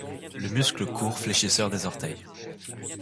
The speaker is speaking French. Le muscle court fléchisseur des orteils.